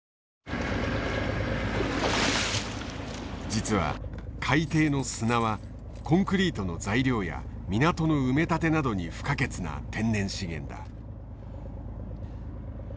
実は海底の砂はコンクリートの材料や港の埋め立てなどに不可欠な天然資源だ。